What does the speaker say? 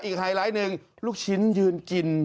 ไฮไลท์หนึ่งลูกชิ้นยืนกิน